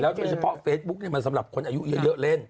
โดยเฉพาะเฟซบุ๊กมันสำหรับคนอายุเยอะเล่น